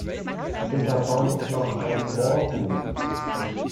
Hinterm Baum ist noch ein Moorhuhn!